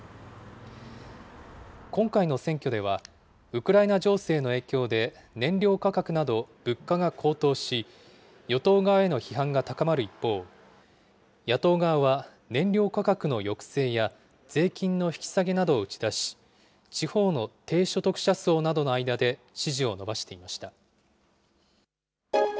今回の選挙では、ウクライナ情勢の影響で燃料価格など物価が高騰し、与党側への批判が高まる一方、野党側は燃料価格の抑制や税金の引き下げなどを打ち出し、地方の低所得者層などの間で支持を伸ばしていました。